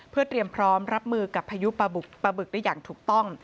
เพื่อเตรียมพร้อมรับมือกับพายุปลาบึกได้อย่างถูกต้อง